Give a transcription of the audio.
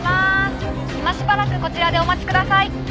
今しばらくこちらでお待ちください。